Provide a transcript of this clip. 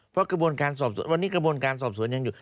เพราะกระบวนการสอบสวนวันนี้กระบวนการสอบสวนยังอยู่